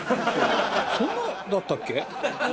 そんなだったっけ？